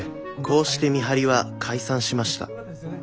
こうして見張りは解散しました。